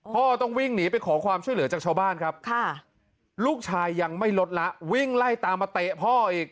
ต้องวิ่งหนีไปขอความช่วยเหลือจากชาวบ้านครับลูกชายยังไม่ลดละวิ่งไล่ตามมาเตะพ่ออีก